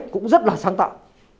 cũng rất là sáng tạo